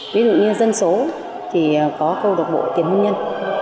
ví dụ như dân số thì có câu độc bộ tiền hôn nhân